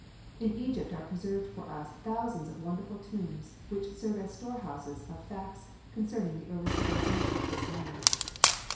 In Egypt are preserved for us thousands of wonderful tombs which serve as storehouses of facts concerning the early civilization of this land.